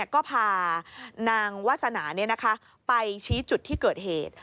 ก็พานางวาสนาไปชี้จุดที่เกิดเหตุ